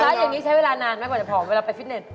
อย่างนี้ใช้เวลานานไหมกว่าจะผอมเวลาไปฟิตเน็ต